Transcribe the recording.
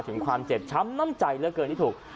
ถึงความเจ็บช้ำน้ำใจเหลือเกินที่ถูก